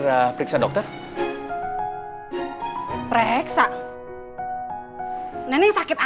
tapi sudah selesai